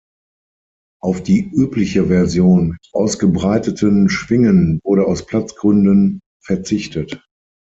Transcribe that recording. Auf die übliche Version mit ausgebreiteten Schwingen wurde aus Platzgründen verzichtet.